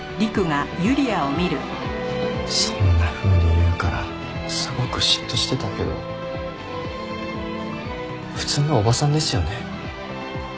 そんなふうに言うからすごく嫉妬してたけど普通のおばさんですよね。